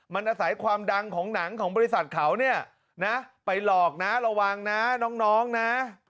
มันอาศัยความดังของหนังของบริษัทเขาเนี่ยนะไปหลอกนะระวังนะน้องนะ